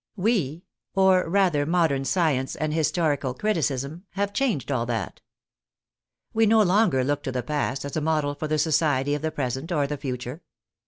"We," or rather modern science and historical criticism, " have changed all that." We no longer look to the past as a model for the society of the present or the future.